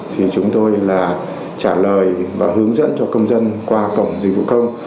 thì chúng tôi là trả lời và hướng dẫn cho công dân qua cổng dịch vụ công